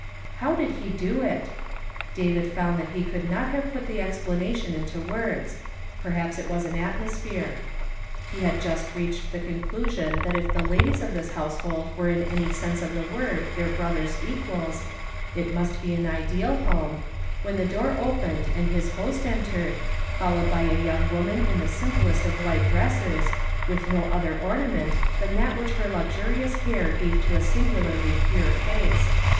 How did he do it? David found that he could not have put the explanation into words ; perhaps it was an atmosphere. He had just reached the conclusion that if the ladies of this household were hi any sense of the word tlieir l)rother's equals, this must be an ideal home, when the door opened and his host entered, followed by a young woman in the simplest of white dresses, with no other orna ment than that which her luxurious hair gave to a singularly pure face.